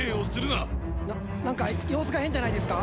ななんか様子が変じゃないですか？